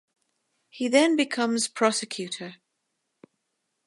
He then becomes prosecutor.